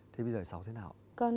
thế bây giờ cháu thế nào